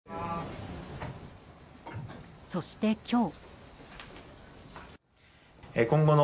そして今日。